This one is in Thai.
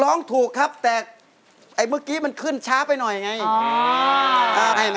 ร้องถูกครับแต่ไอ้เมื่อกี้มันขึ้นช้าไปหน่อยไง